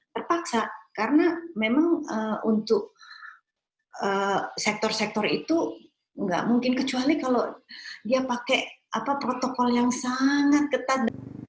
terpaksa karena memang untuk sektor sektor itu nggak mungkin kecuali kalau dia pakai protokol yang sangat ketat